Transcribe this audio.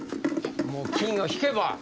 もう金を引けば。